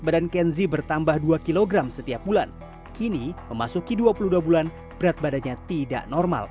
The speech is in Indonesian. badan kenzi bertambah dua kg setiap bulan kini memasuki dua puluh dua bulan berat badannya tidak normal